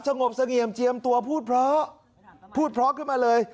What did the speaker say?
งบเสงี่ยมเจียมตัวพูดเพราะพูดเพราะขึ้นมาเลย